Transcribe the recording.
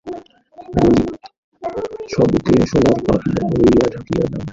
গলিত শবকে সোনার পাত মুড়িয়া ঢাকিও না।